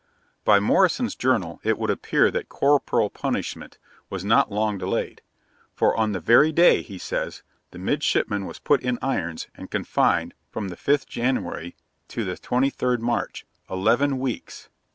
By Morrison's Journal it would appear that 'corporal punishment' was not long delayed; for, on the very day, he says, the midshipman was put in irons, and confined from the 5th January to the 23rd March eleven weeks!